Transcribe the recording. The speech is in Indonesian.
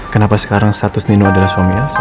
kenapa sekarang status nino adalah suami